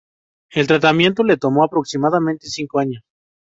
El tratamiento le tomó aproximadamente cinco años.